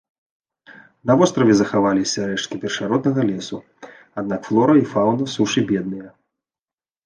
На востраве захаваліся рэшткі першароднага лесу, аднак флора і фаўна сушы бедныя.